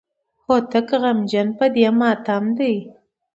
هوتک غمجن په دې ماتم دی.